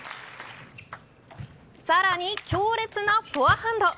さらに強烈なフォアハンド。